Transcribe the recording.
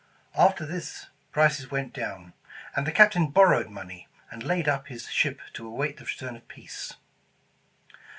After this prices went down, and 216 England's Trophy the Captain borrowed money, and laid up his ship to await the return of peace.